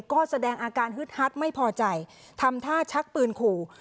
ก็แสดงอาการฮึดฮัดไม่พอใจทำท่าชักปืนขู่